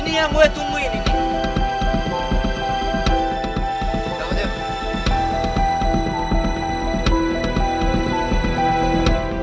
ini yang muat umuh ini